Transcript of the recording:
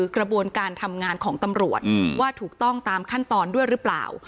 กระบวนการทำงานของตำรวจว่าถูกต้องตามขั้นตอนด้วยหรือเปล่า